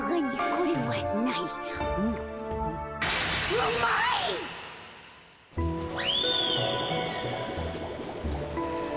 うまいっ！